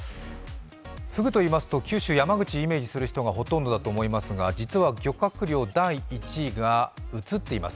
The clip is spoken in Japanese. ふぐといいますと、九州、山口をイメージする人がほとんどだと思いますが、実は漁獲量第１位が移っています。